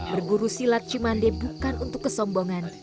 berguru silat cimande bukan untuk kesombongan